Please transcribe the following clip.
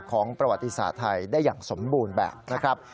ประวัติศาสตร์ไทยได้อย่างสมบูรณ์แบบนะครับ